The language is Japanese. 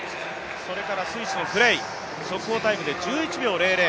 それからスイスのフレイ速報タイムで１１秒００。